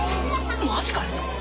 マジかよ！